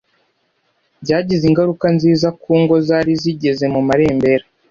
byagize ingaruka nziza ku ngo zari zigeze mu marembera